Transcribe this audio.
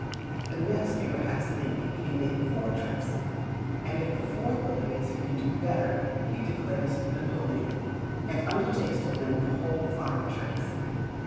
The next may perhaps think he can make four tricks; and if the fourth believes he can do better he declares Napoleon, and undertakes to win the whole five tricks.